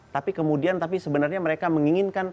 tapi sebenarnya mereka menginginkan